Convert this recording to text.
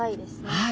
はい。